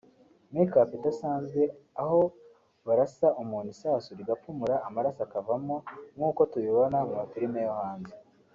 make up idasanzwe aho barasa umuntu isasu rigapfumura amaraso akavamo nk’uko tubibona mu mafilime yo hanze”